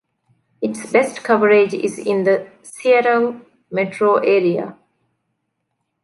Its best coverage is in the Seattle metro area.